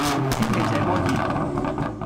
天氣這麼熱